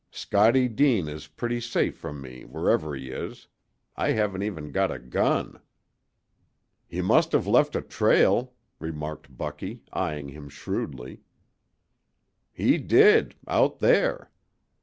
Scottie Deane is pretty safe from me, wherever he is. I haven't even got a gun!" "He must have left a trail," remarked Bucky, eying him shrewdly. "He did out there!"